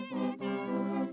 pertama suara dari biasusu